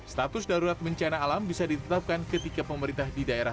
status darurat bencana alam bisa ditetapkan ketika pemerintah di daerah